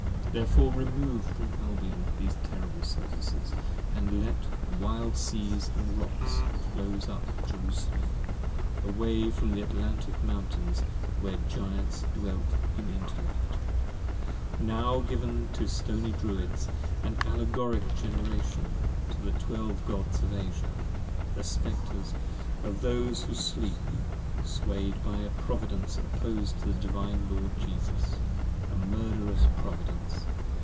Therefore remove from Albion these terrible Surfaces 77 And let wild seas & rocks close up Jerusalem away from p. 50 THE Atlantic Mountains where Giants dwelt in Intellect: Now given to stony Druids, and Allegoric Generation, To the Twelve Gods of Asia, the Spectres of those who Sleep: Sway'd by a Providence oppos'd to the Divine Lord Jesus: 5 A murderous Providence!